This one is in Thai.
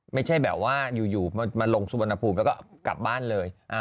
ไม่ใช่แบบว่าอยู่มาลงสุวรรณภูมิแล้วก็กลับบ้านเลย